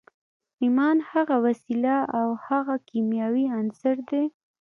ايمان هغه وسيله او هغه کيمياوي عنصر دی.